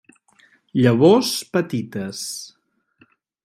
Llavors petites.